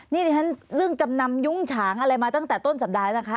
นี่ดิฉันเรื่องจำนำยุ้งฉางอะไรมาตั้งแต่ต้นสัปดาห์แล้วนะคะ